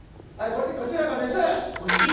これでこちらがメス！